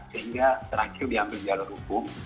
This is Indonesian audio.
sehingga terakhir diambil jalur hukum